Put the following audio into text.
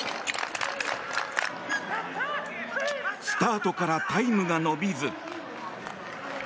スタートからタイムが伸びず。